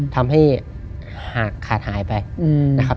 ทำให้ขาดหายไปนะครับ